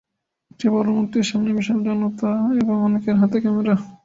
একটি বড় মূর্তির সামনে বিশাল জনতা এবং অনেকের হাতে ক্যামেরা।